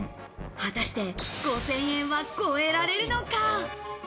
果たして５０００円は超えられるのか？